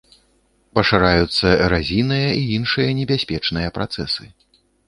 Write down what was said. Пашыраюцца эразійныя і іншыя небяспечныя працэсы.